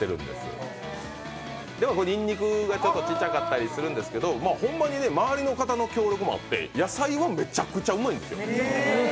にんにくがちょっとちっちゃかったりするんですけど、ほんまに周りの方の協力もあって野菜がめゃちくちゃうまいんですよ。